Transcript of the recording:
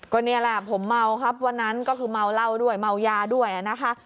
ก็นี่แหละผมเมาครับวันนั้นก็คือเมาเหล้าด้วยเมายาด้วยนะคะ